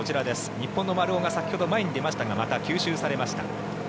日本の丸尾が先ほど前に出ましたがまた吸収されました。